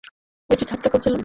আমি ঠাট্টা করছিলাম।